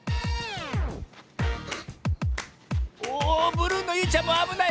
おブルーのゆいちゃんもあぶない。